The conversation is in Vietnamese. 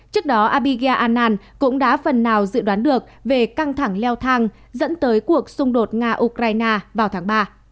trước đó abiga an cũng đã phần nào dự đoán được về căng thẳng leo thang dẫn tới cuộc xung đột nga ukraine vào tháng ba